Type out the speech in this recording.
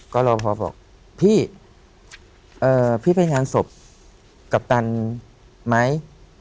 ก็รอพอบอกพี่พี่ไปงานศพกัปตันไหม